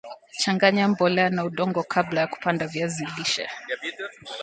Changanya mbolea na udongo kabla ya kupanda viazi lishe